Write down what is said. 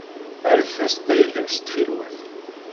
Rret-as-d ayla-as ttxil-wet.